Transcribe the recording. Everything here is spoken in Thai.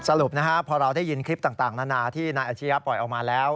สรุปนะฮะพอเราได้ยินคลิปต่างนานาที่นายอาชียะปล่อยออกมาแล้ว